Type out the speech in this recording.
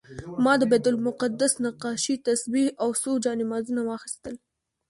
ما د بیت المقدس نقاشي، تسبیح او څو جانمازونه واخیستل.